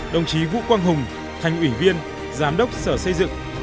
đồng chí vũ quang hùng thành ủy viên giám đốc sở xây dựng